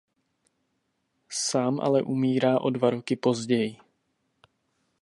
Sám ale umírá o dva roky později.